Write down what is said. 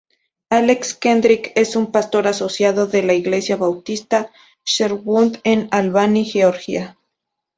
Alex Kendrick es un pastor asociado de la Iglesia Bautista Sherwood en Albany, Georgia.